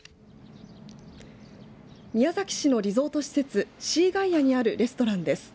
宮崎市のリゾート施設シーガイアにあるレストランです。